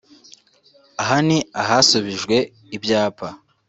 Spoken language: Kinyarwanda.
Aha ni ahasubijwe ibyapa